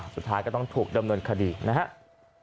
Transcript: สุดท้ายก็ต้องถูกดำเนินคดีนะครับ